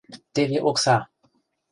Теве окса!..